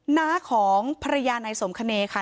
หน้าของภรรยาในสมคเนคา